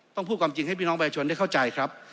พูดความจริงให้พี่น้องประชาชนได้เข้าใจครับ